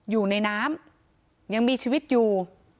อยู่ในน้ำยังมีชีวิตอยู่